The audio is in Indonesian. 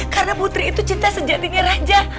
karena putri itu cinta sejatinya raja